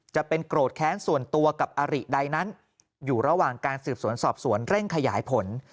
จะเป็นโกรธแค้นส่วนตัวกับอาริใดนั้นอยู่ระหว่างการสืบสวนสอบสวนเร่งขยายผล